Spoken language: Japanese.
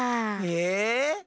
え